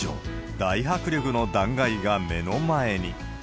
大迫力の断崖が目の前に。